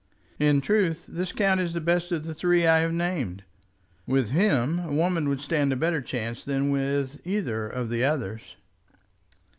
In truth this count is the best of the three I have named. With him a woman would stand a better chance than with either of the others."